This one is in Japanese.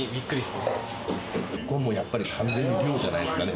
ここはやっぱり、単純に量じゃないですかね。